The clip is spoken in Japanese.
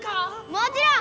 もちろん！